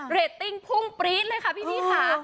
เรตติ้งพุ่งปรี๊ดเลยค่ะพี่นี่ค่ะ